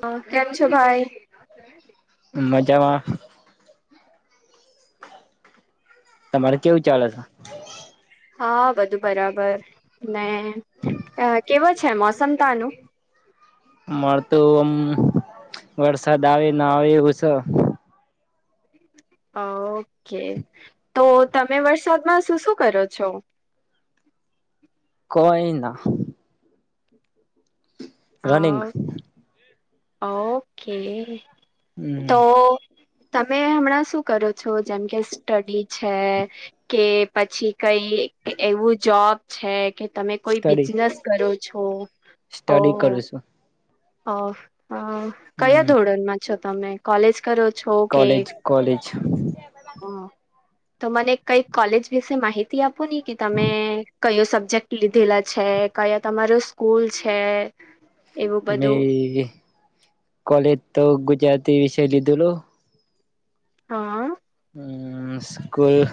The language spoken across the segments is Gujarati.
હા કેમ છો ભાઈ? મજામાં. તમારે કેવું ચાલે છે? હા, બધું બરાબર ને કેવો છે મોસમ તાનું? માર તો આમ વરસાદ આવે ના આવે એવું છે. ઓકે, તો તમે વરસાદમાં શું શું કરો છો? કઈ ના અ રનિંગ ઓકે. હમ્મ. તો તમે હમણાં શું કરો છો, જેમ કે સ્ટડી છે? કે પછી કઈ એવું જોબ છે કે તમે કોઈ સ્ટડી બિઝનેસ કરો છો ઓ સ્ટડી કરું છું અ ઓ કયા હમ ધોરણમાં છો તમે કોલેજ કરો છો કે કોલેજ કોલેજ હ તો મને કઈક કોલેજ વિશે માહિતી આપો નહી કે તમે કયો સબ્જેક્ટ લીધેલા છે કયા તમારો સ્કૂલ છે એવું મે બધું કોલેજ તો ગુજરાતી વિષય લીધેલો અહ હમ્મ સ્કૂલ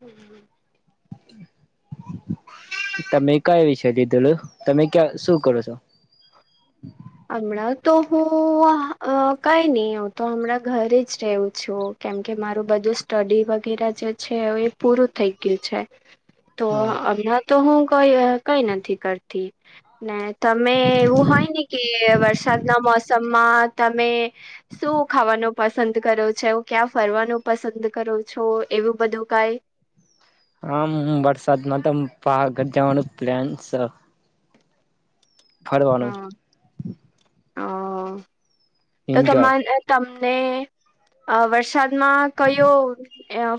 હમ્મ તમે કયા વિષ લીધેલો તમે ક્યા શું કરો છો હમણાં તો હું કઈ નહી હું તો હમણાં ઘરે જ રહું છું કેમકે મારું બધું સ્ટડી વગેરે જે છે એ પૂરું થઇ ગયું છે [inaudible] તો હમણા તો હું કઈ કઈ નથી કરતી ને તમે એવું હોય ને કે વરસાદના મોસમમાં તમે શું ખાવાનું પસંદ કરો છે હું ક્યાં ફરવાનું પસંદ કરું છો એવું બધું કઈ આમ વરસાદમાં તો પાવાગઢ જવાનું પ્લાન છે ફરવાનું હા હ તો એન્જોય તમાર નહીં તમને અ વરસાદમાં કયો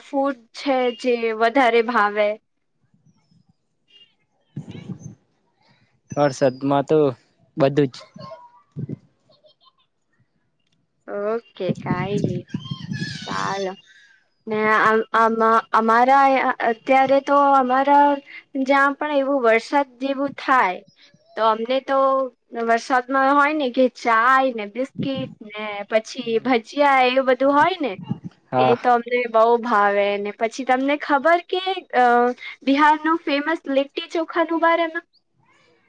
ફૂડ છે જે વધારે ભાવે વરસાદ માં તો બધું જ ઓકે કાંઈ ની ચાલો ને આ અમારા અત્યારે તો અમારા જ્યાં પણ એવું વરસાદ જેવું થાય તો અમને તો વરસાદમાં હોય ને કે ચાાય ને બીસ્કીટ ને પછી ભજીયા એવું બધું હોય ને હા એ તો બહુ ભાવેને પછી તમને ખબર કે અ બિહારનું ફેમસ લીટટી ચોખા નું બારમાં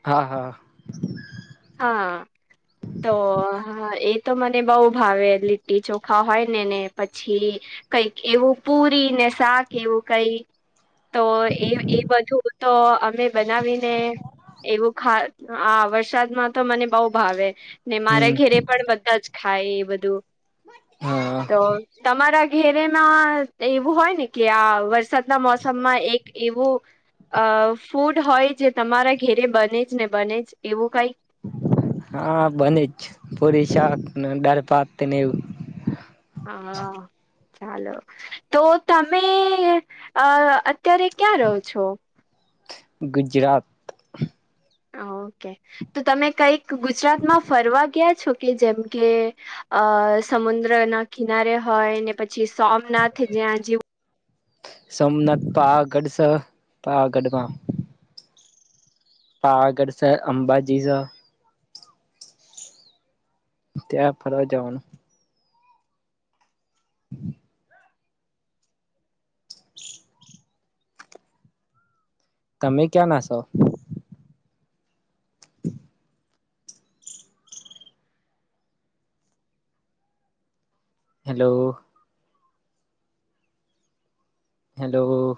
હા હા હા તો એ તો મને બહુ ભાવે લીટી ચોખા હોય ને ને પછી કઈક એવું પૂરીને શા કે એવું કઈ તો એ એ બધું તો અમે બનાવીને એવું ખા આ વરસાદમાં તો મને બઉ ભાવે ને મારા હમ ઘેરે પણ બધા જ ખાય એ બધું હા તો તમારા હેરેમાં એવું હોય ને કે આ વરસાદના મોસમમાં એક એવું અ ફૂડ હોય જે તમારા ઘેરે બને જ ને બને જ એવું કઈક હા બને જ પુરી શાક ને દાણ ભાત ને એવું હા ચાલો તો તમે અ અત્યારે ક્યાં રહો છો ગુજરાત ઓકે તો તમે કઈક ગુજરાતમાં ફરવા ગયા છો કે જેમ કે અ સમુદ્ર ના કિનારે હોય ને પછી સોમનાથ જ્યાં જીવ સોમનાથ પાવાગઢ સહ પાવાગઢ મા પાવાગઢ છેં અંબાજી સે ત્યાં ફરવા જવાનું હમ [unintelligible] તમે ક્યાંના શો? Hello hello.